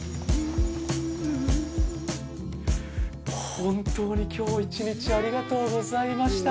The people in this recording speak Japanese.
本当に今日１日ありがとうございました。